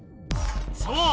そう！